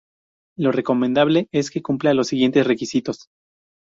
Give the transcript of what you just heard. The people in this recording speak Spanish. lo recomendable es que cumpla los siguientes requisitos